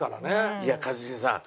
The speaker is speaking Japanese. いや一茂さん